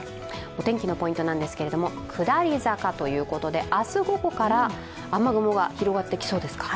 お天気のポイント、下り坂ということで、明日午後から雨雲が広がってきそうですか。